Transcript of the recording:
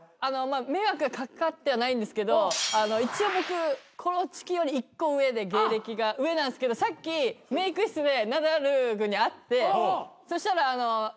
迷惑は掛かってはないんですけど一応僕コロチキより１個上で芸歴が上なんですけどさっきメーク室でナダル君に会ってそしたら「ディスコ２回目からだよね」